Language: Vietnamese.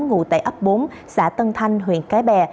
ngủ tại ấp bốn xã tân thanh huyện cái bè